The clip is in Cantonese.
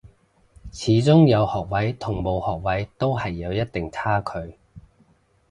始終有學位同冇學位都係有一定差距